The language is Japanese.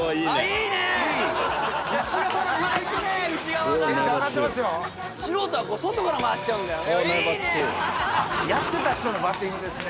いいねやってた人のバッティングですね